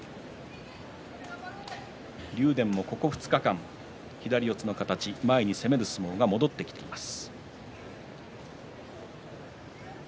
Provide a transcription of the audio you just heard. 竜電もここ２日間、左四つの形前に攻める相撲が戻ってきています。